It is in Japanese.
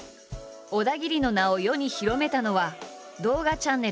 小田切の名を世に広めたのは動画チャンネル。